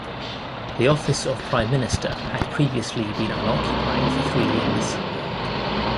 The office of Prime Minister had previously been unoccupied for three years.